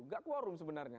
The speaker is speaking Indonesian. tidak quorum sebenarnya